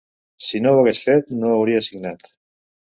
Si no ho hagués fet, no ho hauria signat.